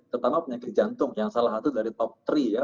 terutama penyakit jantung yang salah satu dari top tiga ya